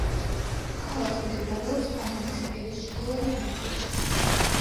ქალაქი მდებარეობს პანამის ყელის ჩრდილოეთ ნაწილში.